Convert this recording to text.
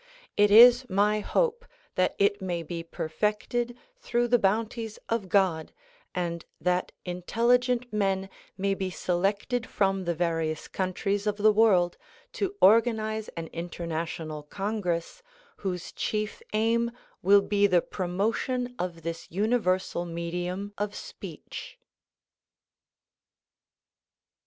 It is my hope that it may be perfected through the bounties of God and that intelligent men may be selected from the various countries of the world to organize an international congress whose chief aim will be the promotion of this universal medium of speech.